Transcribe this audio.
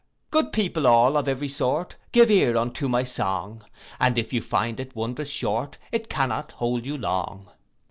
Good people all, of every sort, Give ear unto my song; And if you find it wond'rous short, It cannot hold you long.